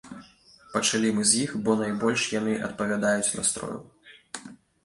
Пачалі мы з іх, бо найбольш яны адпавядаюць настрою.